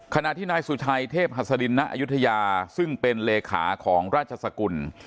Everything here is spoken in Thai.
ขณะที่นายสุชัยเทพหัสดินณอายุทยาซึ่งเป็นเลขาของราชสกุล